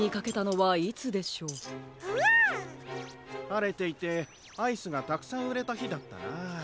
はれていてアイスがたくさんうれたひだったな。